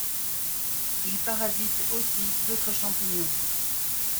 Il parasite aussi d'autres champignons.